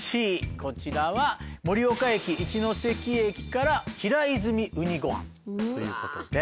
こちらは盛岡駅一ノ関駅から平泉うにごはんということで。